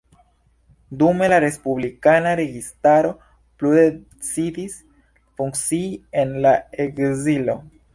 Dume, la respublikana registaro plu decidis funkcii en la ekzilo.